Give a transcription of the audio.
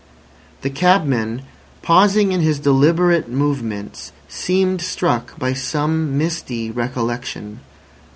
The cabman, pausing in his deliberate movements, seemed struck by some misty recollection.